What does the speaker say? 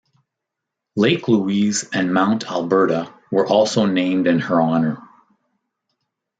Lake Louise and Mount Alberta were also named in her honour.